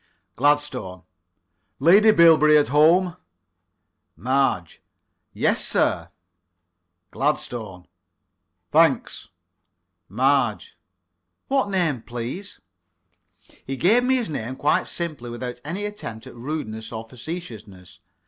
GLADSTONE: Lady Bilberry at home? MARGE: Yes, sir. GLADSTONE: Thanks. MARGE: What name, please? He gave me his name quite simply, without any attempt at rudeness or facetiousness.